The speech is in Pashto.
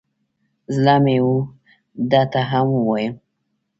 زړه مې و ده ته هم ووایم.